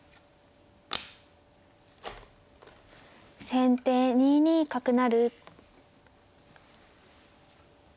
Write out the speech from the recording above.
先手２二角成。